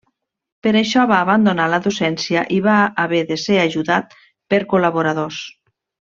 Per això va abandonar la docència i va haver de ser ajudat per col·laboradors.